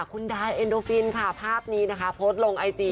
คุณดายเอ็นโดฟินค่ะภาพนี้นะคะโพสต์ลงไอจี